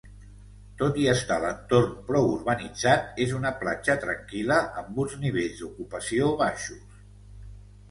Tot i estar l'entorn prou urbanitzat és una platja tranquil·la, amb uns nivells d'ocupació baixos.